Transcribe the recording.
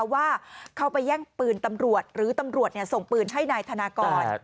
ว่าเขาไปแย่งปืนตำรวจหรือตำรวจส่งปืนให้นายธนากร